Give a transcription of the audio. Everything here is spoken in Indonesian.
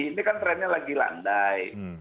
ini kan trennya lagi landai